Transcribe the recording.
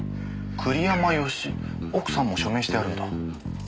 栗山佳美奥さんも署名してあるんだ。